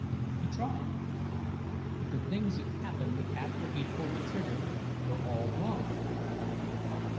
He tried, but the things that happened after he'd pulled the trigger were all wrong.